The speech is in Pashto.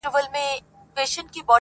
دوه شاهان په یوه ملک کي نه ځاییږي-